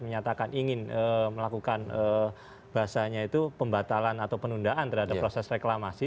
menyatakan ingin melakukan bahasanya itu pembatalan atau penundaan terhadap proses reklamasi